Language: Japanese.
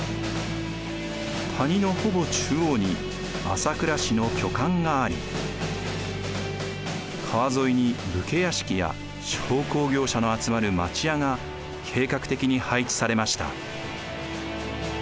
谷のほぼ中央に朝倉氏の居館があり川沿いに武家屋敷や商工業者の集まる町屋が計画的に配置されました。